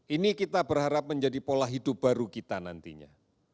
ini kita berharap menjadi pola hidup baru kita nantinya